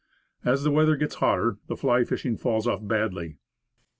As the weather gets hotter, the fly fishing falls off badly.